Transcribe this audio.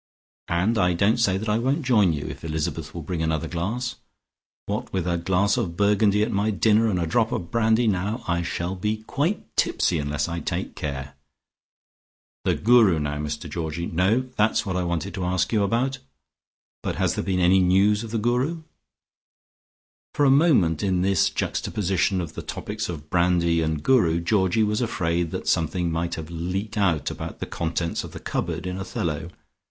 And I don't say that I won't join you, if Elizabeth will bring another glass. What with a glass of Burgundy at my dinner, and a drop of brandy now, I shall be quite tipsy unless I take care. The Guru now, Mr Georgie, no, that's not what I wanted to ask you about but has there been any news of the Guru?" For a moment in this juxtaposition of the topics of brandy and Guru, Georgie was afraid that something might have leaked out about the contents of the cupboard in Othello.